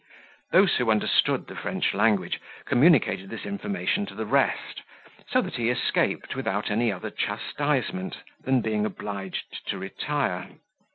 Those who understood the French language communicated this information to the rest, so that he escaped without any other chastisement than being obliged to retire.